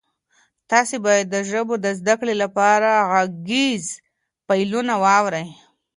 تاسي باید د ژبو د زده کړې لپاره غږیز فایلونه واورئ.